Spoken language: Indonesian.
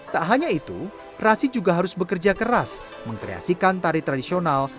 tak hanya itu rashid juga harus bekerja keras mengkreasikan tari tradisional